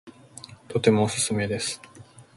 とてもおすすめです